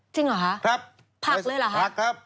จริงเหรอฮะผักเลยเหรอฮะครับ